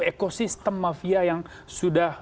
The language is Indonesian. ekosistem mafia yang sudah